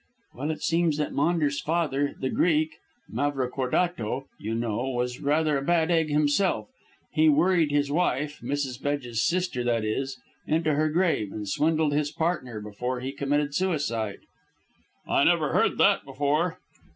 "Well, it seems that Maunders' father, the Greek, Mavrocordato, you know, was rather a bad egg himself. He worried his wife Mrs. Bedge's sister, that is into her grave, and swindled his partner before he committed suicide." "I never heard that before."